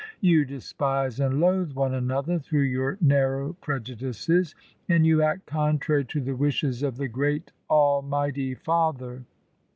You despise and loathe one another through your narrow preju dices, and you act contrary to the wishes of the great Almighty Father.